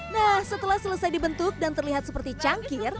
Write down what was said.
nah setelah selesai dibentuk dan terlihat seperti cangkir